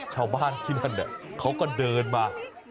ชาวบ้านที่นั่นเนี่ยเค้าก็เดินมา